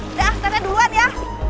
udah teteh duluan ya